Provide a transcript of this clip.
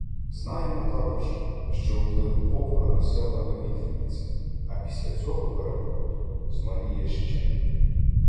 Знаємо також, що вплив Копура на села вивітрюється, а після цього "перевороту" змаліє ще.